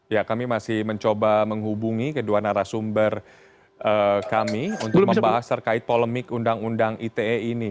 ya kami masih mencoba menghubungi kedua narasumber kami untuk membahas terkait polemik undang undang ite ini